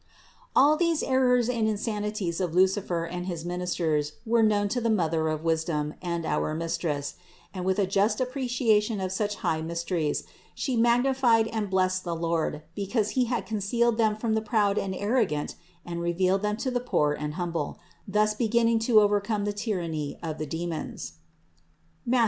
All these errors and insanities of Lucifer and his ministers were known to the Mother of wisdom and our Mistress; and with a just appreciation of such high mysteries She magnified and blessed the Lord, because He had concealed them from the proud and arrogant and revealed them to the poor and humble, thus beginning to overcome the tyranny of the demons (Matth.